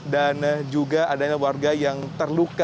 dan juga adanya warga yang terluka